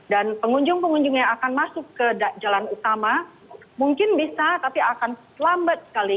dan pengunjung pengunjung yang akan masuk ke jalan utama mungkin bisa tapi akan lambat sekali